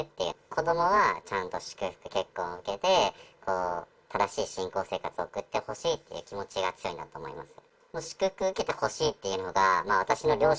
子どもは、ちゃんと祝福結婚を受けて、正しい信仰生活を送ってほしいっていう気持ちが強いんだと思います。